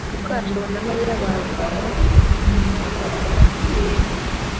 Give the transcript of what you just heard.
Mukajabo na Mariya barwana ubudahwema.